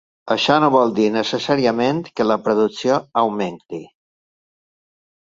Això no vol dir necessàriament que la producció augmenti.